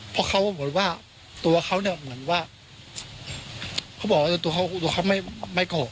ผมว่าผมว่าตัวเขาเนี่ยเขาบอกให้คุณพีชไม่โขล